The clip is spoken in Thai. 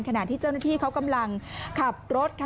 ขณะที่เจ้าหน้าที่เขากำลังขับรถค่ะ